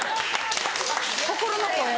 心の声。